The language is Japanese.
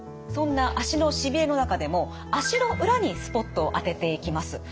そんな足のしびれの中でも足の裏にスポットを当てていきます。